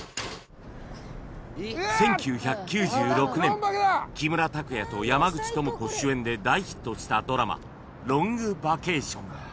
１９９６年木村拓哉と山口智子主演で大ヒットしたドラマ『ロングバケーション』